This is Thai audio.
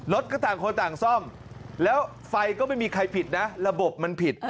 รถก็ต่างคนต่างซ่อมแล้วไฟก็ไม่มีใครผิดนะระบบมันผิด